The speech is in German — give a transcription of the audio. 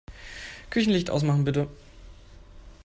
Küchenlicht ausmachen, bitte.